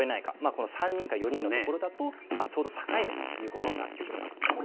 この３人か４人のところだとちょうど境目ということになっていきます。